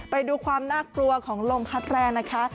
ไปดูความน่ากลัวของลมพัดแรงนะคะ